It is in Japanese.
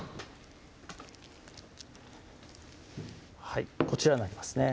はいこちらになりますね